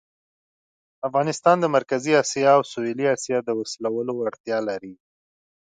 افغانستان د مرکزي آسیا او سویلي آسیا د وصلولو وړتیا لري.